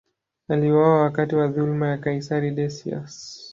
Aliuawa wakati wa dhuluma ya kaisari Decius.